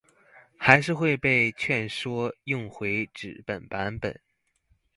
還是會被勸說用回紙本形式